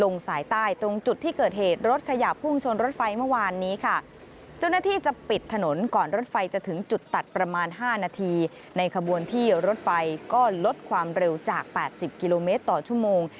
๕นาทีในขบวนที่รถไฟก็ลดความเร็วจาก๘๐กมต่อชั่วโมง